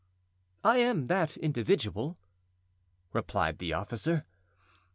"I am that individual," replied the officer.